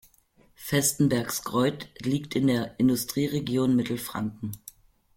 Vestenbergsgreuth liegt in der Industrieregion Mittelfranken.